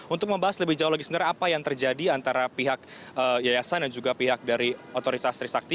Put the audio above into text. untuk membahas lebih jauh lagi sebenarnya apa yang terjadi antara pihak yayasan dan juga pihak dari otoritas trisakti